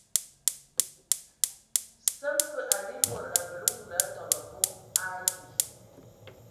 Səm fə anə mod abələ ngul atɔbɔ e vom ayi.